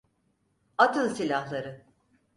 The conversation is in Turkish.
Atın silahları!